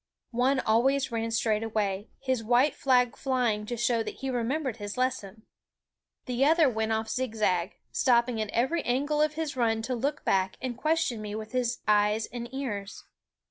One always ran straight away, his white flag flying to show that he remem bered his lesson; the other went off zigzag, THE WOODS stopping at every angle of his run to look back and question me with his eyes and ears.